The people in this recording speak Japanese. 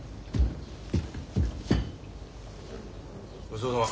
ごちそうさま。